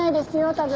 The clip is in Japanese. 多分。